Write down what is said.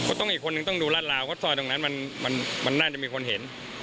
เพราะต้องมีคนหนึ่งต้องดูราดราวเพราะซอยตรงนั้นมันมันน่าจะมีคนเห็น